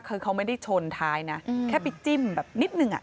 คือเขาไม่ได้ชนท้ายนะแค่ไปจิ้มแบบนิดนึง